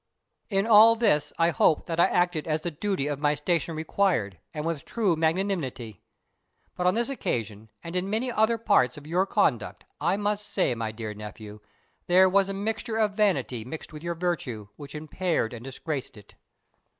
In all this I hope that I acted as the duty of my station required, and with true magnanimity. But on this occasion, and in many other parts of your conduct, I must say, my dear nephew, there was a mixture of vanity blended with your virtue which impaired and disgraced it.